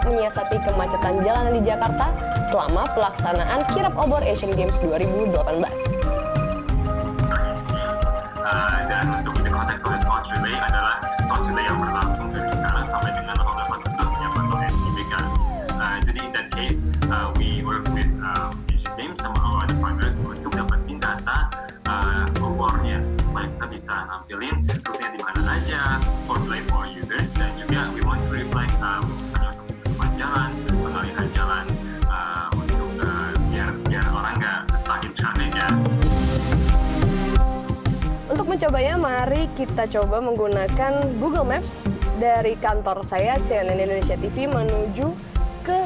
membuat peta kirab obor asian games dua ribu delapan belas menjadi salah satu fitur khusus yang dibuat untuk